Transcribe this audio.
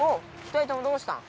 ２人ともどうしたん？